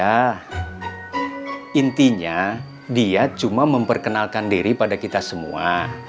ya intinya dia cuma memperkenalkan diri pada kita semua